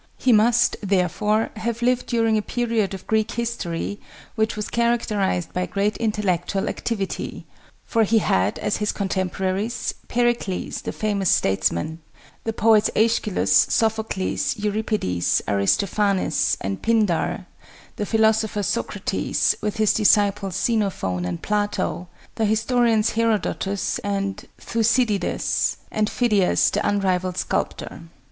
He must, therefore, have lived during a period of Greek history which was characterized by great intellectual activity; for he had, as his contemporaries, Pericles the famous statesman; the poets Æschylus, Sophocles, Euripides, Aristophanes, and Pindar; the philosopher Socrates, with his disciples Xenophon and Plato; the historians Herodotus and Thucydides; and Phidias the unrivalled sculptor.